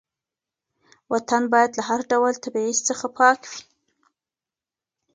وطن باید له هر ډول تبعیض څخه پاک وي.